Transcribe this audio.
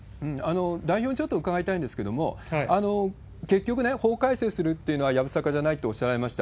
代表にちょっと伺いたいんですけれども、結局ね、法改正するっていうのはやぶさかじゃないとおっしゃられました。